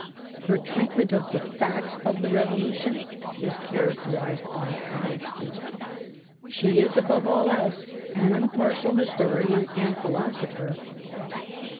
Her treatment of the facts of the Revolution is characterized by honesty. She is above all else an impartial historian and philoso pher.